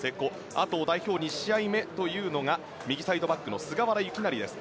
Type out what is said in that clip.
あと代表２試合目というのが右サイドバックの菅原由勢です。